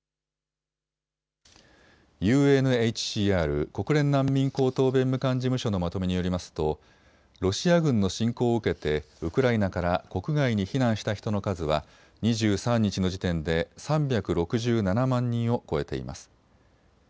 ＵＮＨＣＲ・国連難民高等弁務官事務所のまとめによりますとロシア軍の侵攻を受けてウクライナから国外に避難した人の数は２３日の時点で３６７万人を超えています。